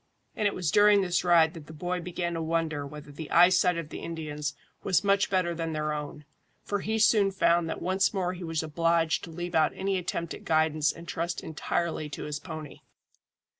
And it was during this ride that the boy began to wonder whether the eyesight of the Indians was much better than their own, for he soon found that once more he was obliged to leave out any attempt at guidance and trust entirely to his pony.